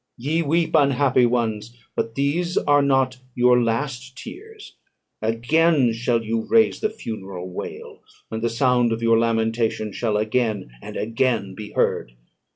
Ye weep, unhappy ones; but these are not your last tears! Again shall you raise the funeral wail, and the sound of your lamentations shall again and again be heard!